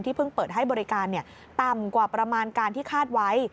เพิ่งเปิดให้บริการต่ำกว่าประมาณการที่คาดไว้